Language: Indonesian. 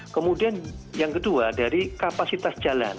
kemudian yang kedua dari kapasitas jalan